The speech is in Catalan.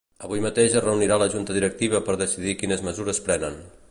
Avui mateix es reunirà la junta directiva per decidir quines mesures prenen.